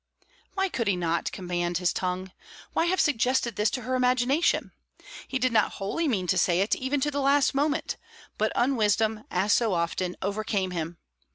Why could he not command his tongue? Why have suggested this to her imagination? He did not wholly mean to say it, even to the last moment; but unwisdom, as so often, overcame him.